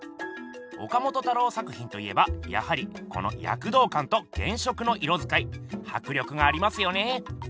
岡本太郎作品と言えばやはりこのやくどうかんと原色の色づかいはく力がありますよね。